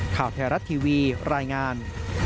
ข่าวแทรศทีวีรายงาน